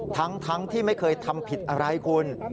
ทั้งที่ไม่เคยทำผิดอะไรคุณ